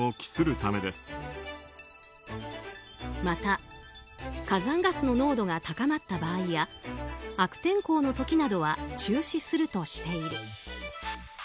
また、火山ガスの濃度が高まった場合や悪天候の時などは中止するとしている。